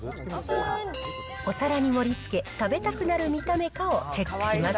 お皿に盛りつけ、食べたくなる見た目かをチェックします。